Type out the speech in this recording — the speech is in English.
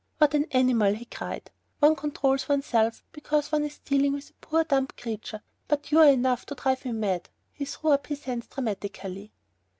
"With an animal," he cried, "one controls oneself, because one is dealing with a poor dumb creature, but you are enough to drive me mad!" He threw up his hands dramatically.